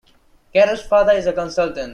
Cara's father is a consultant.